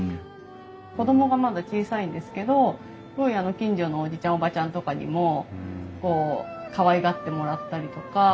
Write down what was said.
子供がまだ小さいんですけどすごい近所のおじちゃんおばちゃんとかにもこうかわいがってもらったりとか。